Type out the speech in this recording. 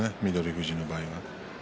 富士の場合は。